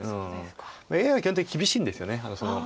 ＡＩは基本的に厳しいんですよね。